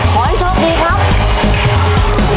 ขอให้โชคดีครับ